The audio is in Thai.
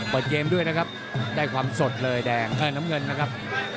เปิดเกมด้วยนะครับได้ความสดเลยแดงน้ำเงินนะครับ